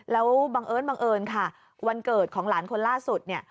แล้วบังเอิญบังเอิญค่ะวันเกิดของหลานคนล่าสุดเนี่ย